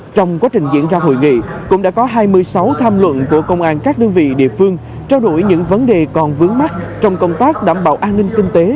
trong quá trình diễn ra hội nghị cũng đã có hai mươi sáu tham luận của công an các đơn vị địa phương trao đổi những vấn đề còn vướng mắt trong công tác đảm bảo an ninh kinh tế